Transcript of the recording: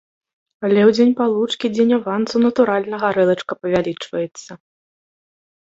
Але ў дзень палучкі, дзень авансу, натуральна, гарэлачка павялічваецца.